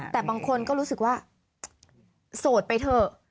แต่บางคนก็รู้สึกว่าโสดไปเถอะ